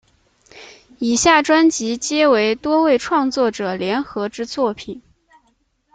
以下专辑皆为多位创作者联合之作品。